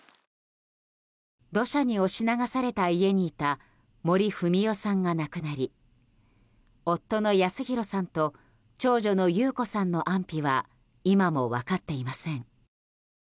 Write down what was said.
土砂に押し流された家にいた森文代さんが亡くなり夫の保啓さんと長女の優子さんの安否は今も分かっていません。